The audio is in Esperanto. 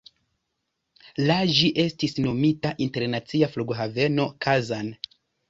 La ĝi estis nomita Internacia flughaveno Kazan.